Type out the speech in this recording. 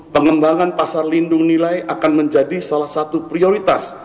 pengembangan pasar lindung nilai akan menjadi salah satu prioritas